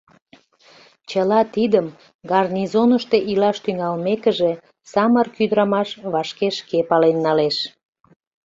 Чыла тидым, гарнизонышто илаш тӱҥалмекыже, самырык ӱдырамаш вашке шке пален налеш.